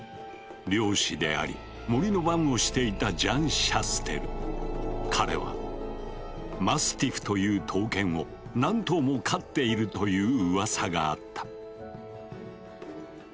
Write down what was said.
猟師であり森の番をしていた彼はマスティフという闘犬を何頭も飼っているというウワサがあった。